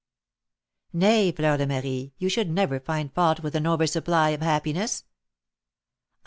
"Nay, Fleur de Marie, we should never find fault with an oversupply of happiness." "Ah, M.